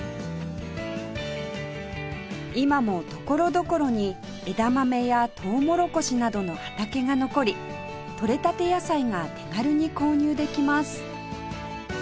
今も所々に枝豆やとうもろこしなどの畑が残り取れたて野菜が手軽に購入できます